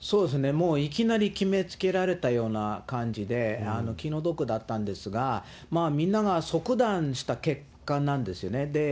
もういきなり決めつけられたような感じで、気の毒だったんですが、まあみんなが即断した結果なんですよね。